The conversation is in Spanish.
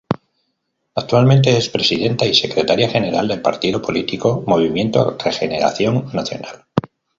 Actualmente es Presidenta y Secretaria General del partido político Movimiento Regeneración Nacional.